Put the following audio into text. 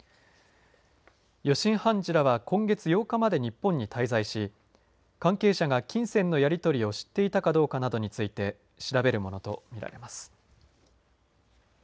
予審判事らは今月８日まで日本に滞在し関係者が金銭のやり取りを知っていたかどうかなどについて調べるものと見られます。